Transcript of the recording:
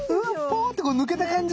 ポーンって抜けた感じ！